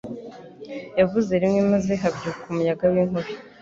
Yavuze rimwe maze habyuka umuyaga w’inkubi